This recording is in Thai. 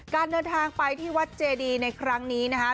การเดินทางไปที่วัดเจดีในครั้งนี้นะคะ